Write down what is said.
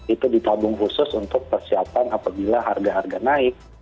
itu ditabung khusus untuk persiapan apabila harga harga naik